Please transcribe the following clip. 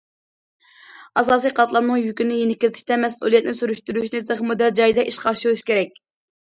ئاساسىي قاتلامنىڭ يۈكىنى يېنىكلىتىشتە، مەسئۇلىيەتنى سۈرۈشتۈرۈشنى تېخىمۇ دەل جايىدا ئىشقا ئاشۇرۇش كېرەك.